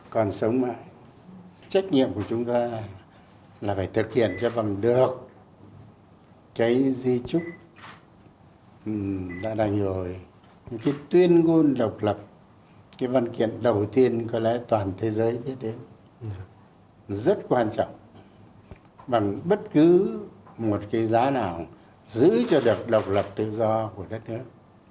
còn sống mãi trách nhiệm của chúng ta là phải thực hiện cho bằng được cái di trúc đã đành rồi cái tuyên ngôn độc lập cái văn kiện đầu tiên có lẽ toàn thế giới biết đến rất quan trọng bằng bất cứ một cái giá nào giữ cho được độc lập tự do của đất nước